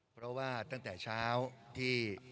เพราะว่าตั้งแต่เช้าที่